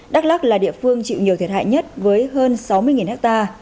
đắk lắc là địa phương chịu nhiều thiệt hại nhất với hơn sáu mươi ha